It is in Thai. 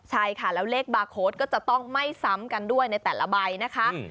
ใช่ค่ะแล้วเลขบาร์โค้ดก็จะต้องไม่ซ้ำกันด้วยในแต่ละใบนะคะ